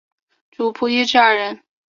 主薄一至二人。